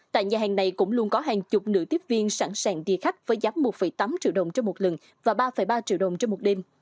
tại nhà hàng này cũng luôn có hàng chục nữ tiếp viên sẵn sàng đi khách với giá một tám triệu đồng cho một lần và ba ba triệu đồng cho một đêm